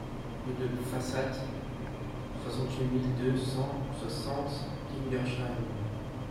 Rue de Pfastatt, soixante-huit mille deux cent soixante Kingersheim